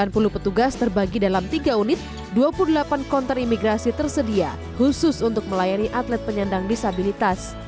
delapan puluh petugas terbagi dalam tiga unit dua puluh delapan konter imigrasi tersedia khusus untuk melayani atlet penyandang disabilitas